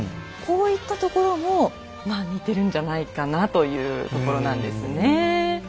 こういったところもまあ似てるんじゃないかなというところなんですね。